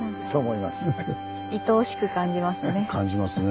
いとおしく感じますね。